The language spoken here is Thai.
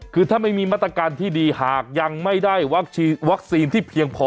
คือถ้าไม่มีมาตรการที่ดีหากยังไม่ได้วัคซีนที่เพียงพอ